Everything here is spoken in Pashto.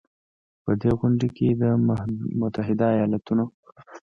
په دې غونډې کې د متحدو ایالتونو